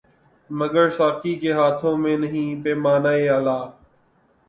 مگر ساقی کے ہاتھوں میں نہیں پیمانۂ الا